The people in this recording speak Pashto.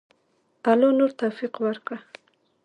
الله نور توفیق ورکړه.